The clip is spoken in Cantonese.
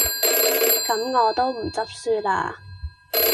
咁我都唔執輸喇